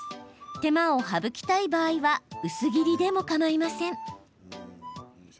手間を省きたい場合は薄切りでもかまいません。